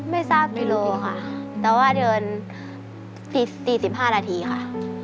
ไม่ทราบกิโลค่ะแต่ว่าเดิน๔๕นาทีค่ะ